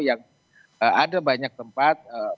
yang ada banyak tempat